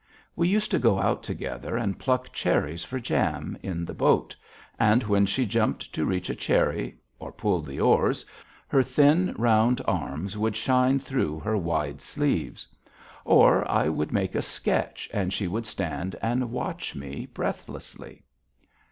We used to go out together and pluck cherries for jam, in the boat, and when she jumped to reach a cherry, or pulled the oars, her thin, round arms would shine through her wide sleeves. Or I would make a sketch and she would stand and watch me breathlessly.